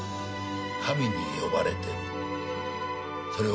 神に呼ばれてる。